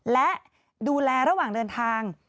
และดูแลระหว่างเดินทาง